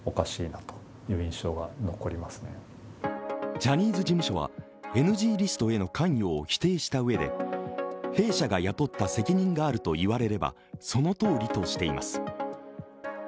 ジャニーズ事務所はＮＧリストへの関与を否定したうえで、弊社が雇った責任があると言われれば、そのとおりとしています。